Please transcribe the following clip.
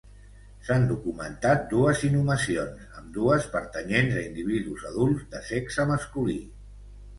S'han documentat dues inhumacions, ambdues pertanyents a individus adults de sexe masculí.